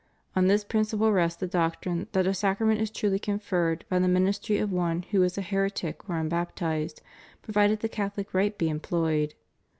On this prin ciple rests the doctrine that a sacrament is truly conferred by the ministry of one who is a heretic or unbaptized, provided the Catholic rite be employed.